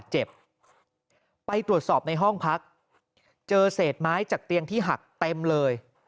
เจ็บไปตรวจสอบในห้องพักเจอเศษไม้จากเตียงที่หักเต็มเลย